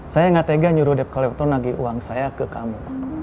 saya nggak tega nyuruh dep kolektor nagih uang saya ke kamu